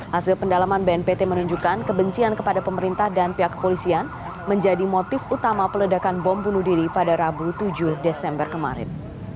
hasil pendalaman bnpt menunjukkan kebencian kepada pemerintah dan pihak kepolisian menjadi motif utama peledakan bom bunuh diri pada rabu tujuh desember kemarin